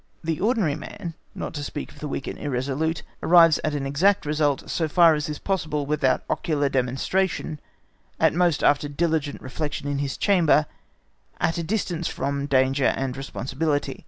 The ordinary man, not to speak of the weak and irresolute, arrives at an exact result so far as such is possible without ocular demonstration, at most after diligent reflection in his chamber, at a distance from danger and responsibility.